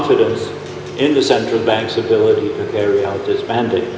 kepercayaan di bagian publik secara umum